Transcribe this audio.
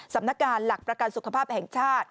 สำนักงานหลักประกันสุขภาพแห่งชาติ